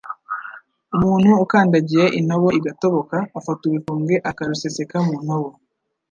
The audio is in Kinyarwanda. Umuntu ukandagiye intobo igatoboka, afata urutumbwe akaruseseka mu ntobo,